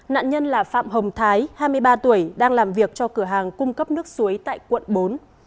nạn nhân là phạm hồng thái hai mươi ba tuổi đang làm việc cho cửa hàng cung cấp nước suối tại quận bốn